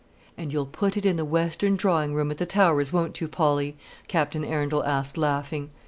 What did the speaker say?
"And you'll put it in the western drawing room at the Towers, won't you, Polly?" Captain Arundel asked, laughing.